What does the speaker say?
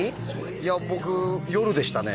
いや僕夜でしたね